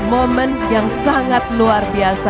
momen yang sangat luar biasa